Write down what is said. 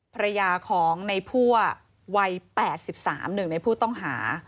ภรรยาของในผู้อ่ะวัยแปดสิบสามหนึ่งในผู้ต้องหา